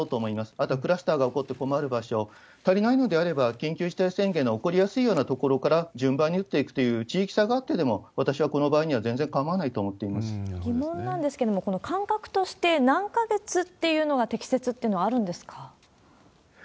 あと、クラスターが起こって困る場所、足りないのであれば、緊急事態宣言の起こりやすいような所から順番に打っていくという地域差があってでも、私はこの場合には全然かまわないと思ってい疑問なんですけれども、この間隔として、何か月っていうのが適切っていうのはあるんですか？